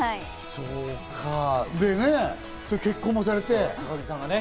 そうか、結婚もされてね。